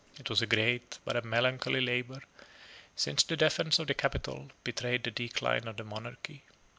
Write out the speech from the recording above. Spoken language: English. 43 It was a great but a melancholy labor, since the defence of the capital betrayed the decline of monarchy.